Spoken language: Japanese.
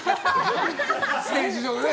ステージ上でね。